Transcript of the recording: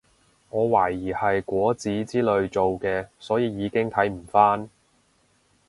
我懷疑係果籽之類做嘅所以已經睇唔返